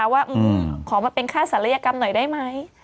ว่าขอมาเป็นค่าศัลยกรรมหน่อยได้ไหม